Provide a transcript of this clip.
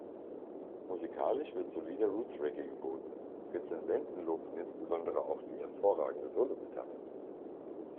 Musikalisch wird solider Roots-Reggae geboten, Rezensenten lobten insbesondere auch die hervorragende Sologitarre.